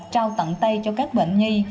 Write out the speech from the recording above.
trao tặng tay cho các bệnh nhi